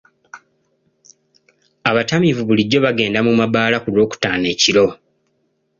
Abatamiivu bulijjo bagenda mu mabbaala ku lwokutaano ekiro.